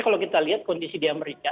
kalau kita lihat kondisi di amerika